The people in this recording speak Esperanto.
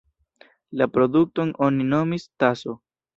La produkton oni nomis "taso".